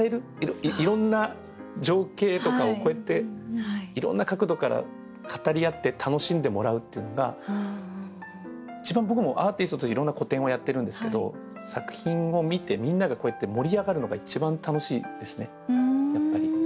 いろんな情景とかをこうやっていろんな角度から語り合って楽しんでもらうっていうのが一番僕もアーティストといろんな個展をやってるんですけど作品を見てみんながこうやって盛り上がるのが一番楽しいですねやっぱり。